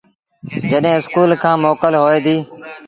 جڏهيݩ اسڪُول کآݩ موڪل هوئي ديٚ